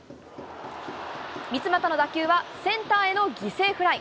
三ツ俣の打球は、センターへの犠牲フライ。